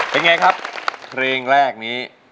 เป็นวันความแข็งดีของใหม่